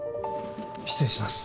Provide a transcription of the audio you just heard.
失礼します。